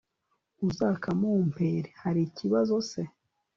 azakamumpereharikibazo se